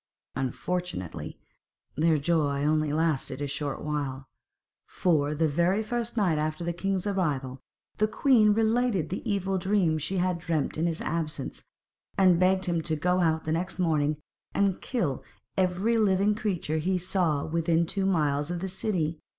Unfortunately, their joy only lasted a short while; for the very first night after the king's arrival the queen related the evil dream she had dreamt in his absence, and begged him to go out the next morning and kill every living creature he saw within two miles of the city.